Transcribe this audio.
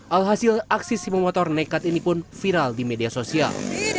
alhasil aksi si pemotor nekat ini pun viral di media sosial